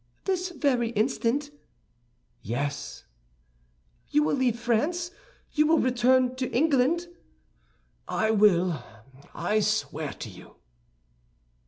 "This very instant?" "Yes." "You will leave France, you will return to England?" "I will, I swear to you."